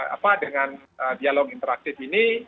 apa dengan dialog interaktif ini